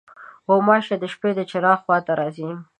غوماشې د شپې د چراغ خوا ته راځي.